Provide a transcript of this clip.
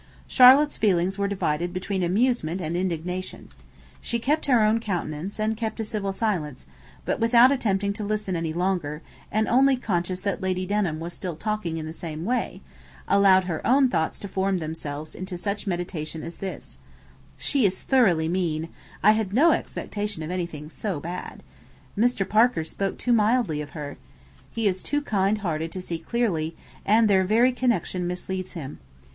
Charlotte's feelings were divided between amusement and indignation. She kept her countenance, and kept a civil silence; but without attempting to listen any longer, and only conscious that Lady Denham was still talking in the same way, allowed her own thoughts to form themselves into such meditation as this: 'She is thoroughly mean; I had no expectation of anything so bad. Mr. Parker spoke too mildly of her. He is too kind hearted to see clearly, and their very connection misleads him.